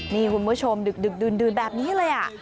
นี่คุณผู้ชมดึกดื่นแบบนี้เลย